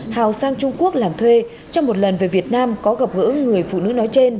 hào sang trung quốc làm thuê trong một lần về việt nam có gặp gỡ người phụ nữ nói trên